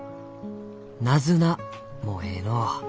「『ナズナ』もえいのう。